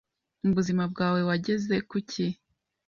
mu buzima bwawe wageze kuki